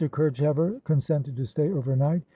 Kerchever consented to stay over night.